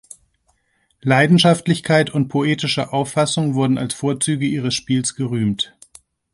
Leidenschaftlichkeit und poetische Auffassung wurden als Vorzüge ihres Spiels gerühmt.